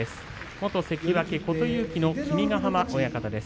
元関脇琴勇輝の君ヶ濱親方です。